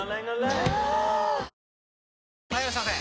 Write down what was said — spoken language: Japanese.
ぷはーっ・はいいらっしゃいませ！